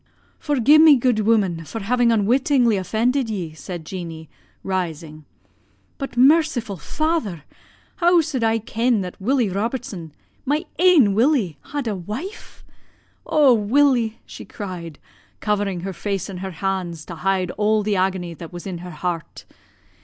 "'Forgi'e me, gude woman, for having unwittingly offended ye,' said Jeanie, rising. 'But, merciful Father! how sud I ken that Willie Robertson, my ain Willie, had a wife? Oh, Willie!' she cried, covering her face in her hands to hide all the agony that was in her heart.